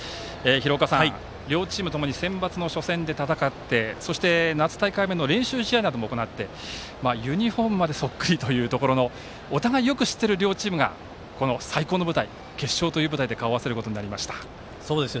廣岡さん、両チームともにセンバツの初戦で戦ってそして夏大会の練習試合なども行ってユニフォームまでそっくりというところ、お互いよく知っている両チームが最高の舞台決勝という舞台で顔を合わせることになりました。